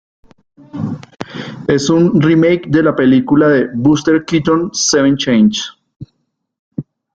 Es un remake de la película de Buster Keaton "Seven Chances".